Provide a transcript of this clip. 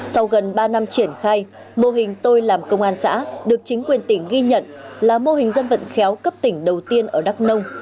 sau gần ba năm triển khai mô hình tôi làm công an xã được chính quyền tỉnh ghi nhận là mô hình dân vận khéo cấp tỉnh đầu tiên ở đắk nông